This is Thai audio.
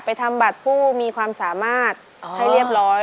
ทำบัตรผู้มีความสามารถให้เรียบร้อย